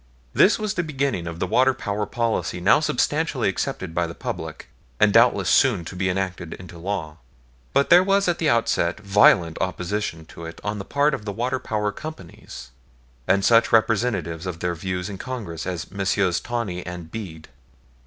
This was the beginning of the water power policy now substantially accepted by the public, and doubtless soon to be enacted into law. But there was at the outset violent opposition to it on the part of the water power companies, and such representatives of their views in Congress as Messrs. Tawney and Bede.